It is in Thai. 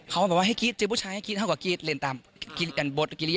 เขาก็บอกว่าฮ่ะกิ๊ฏเจ้าผู้ชายให้กิ๊ธษ์พูดเท่ากับกิ๊ธษฐ์